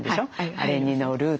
あれに乗るとか。